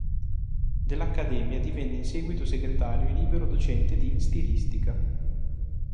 Dell'accademia divenne in seguito segretario e libero docente di "Stilistica".